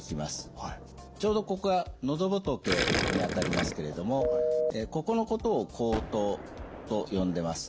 ちょうどここが喉仏にあたりますけれどもここのことを喉頭と呼んでます。